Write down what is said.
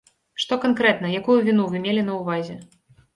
Што канкрэтна, якую віну вы мелі на ўвазе?